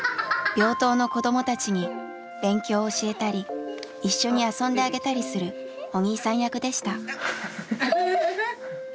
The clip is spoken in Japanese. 病棟の子どもたちに勉強を教えたり一緒に遊んであげたりするお兄さん役でした。